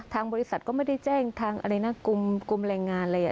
ทางบริษัทก็ไม่ได้แจ้งทางอะไรนะกลุ่มแรงงานเลย